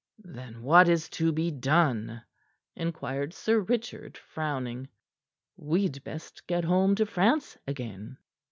"Then what is to be done?" inquired Sir Richard, frowning. "We'd best get home to France again."